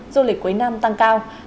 du lịch cuối năm tăng cao